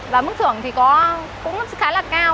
và mức thưởng thì có cũng khá là cao